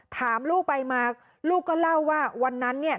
ถามลูกไปมาลูกก็เล่าว่าวันนั้นเนี่ย